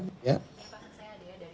ya pak saya adea dari cnn bikin tv